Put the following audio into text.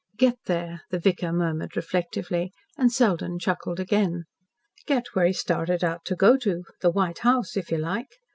"Get there?" the vicar murmured reflectively, and Selden chuckled again. "Get where he started out to go to the White House, if you like.